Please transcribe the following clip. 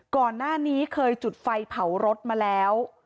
ก่อนหน้านี้เคยจุดไฟเผารถมาแล้ว